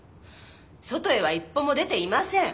外へは一歩も出ていません。